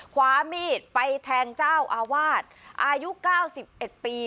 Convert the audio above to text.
ขวามีดไปแทงเจ้าอาวาสอายุเก้าสิบเอ็ดปี